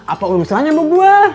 apa urusan nya mau gua